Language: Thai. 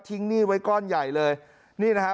หนี้ไว้ก้อนใหญ่เลยนี่นะฮะ